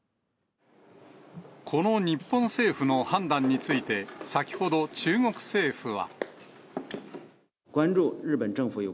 この日本政府の判断について、先ほど、中国政府は。